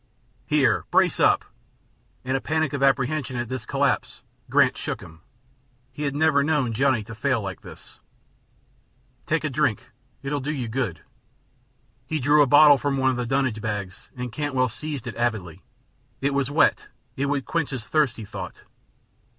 "Here! Brace up!" In a panic of apprehension at this collapse Grant shook him; he had never known Johnny to fail like this. "Take a drink; it'll do you good." He drew a bottle from one of the dunnage bags and Cantwell seized it avidly. It was wet; it would quench his thirst, he thought.